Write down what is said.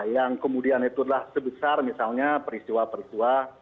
yang kemudian itu adalah sebesar misalnya peristiwa peristiwa